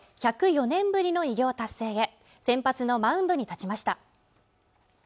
１０４年ぶりの偉業達成へ先発のマウンドに立ちました